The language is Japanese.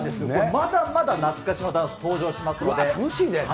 まだまだ懐かしのダンス、登場しますので。